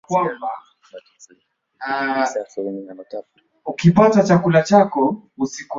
eti kwa sababu Cobain mwimbaji wa muziki wa roki alitumia heroini